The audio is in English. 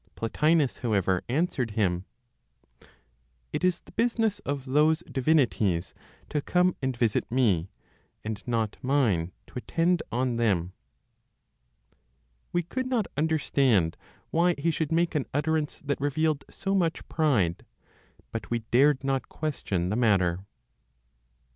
Plotinos, however, answered him, "It is the business of those divinities to come and visit me, and not mine to attend on them." We could not understand why he should make an utterance that revealed so much pride, but we dared not question the matter.